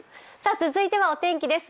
続いてはお天気です。